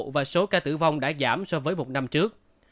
và số ca tử vong đã giảm so với một năm trước